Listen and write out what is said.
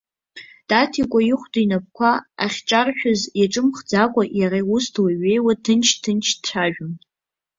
Даҭикәа ихәда инапқәа ахьаҿаршәыз иаҿымхӡакәа, иара ус длеи-ҩеиуа, ҭынч-ҭынч дцәажәон.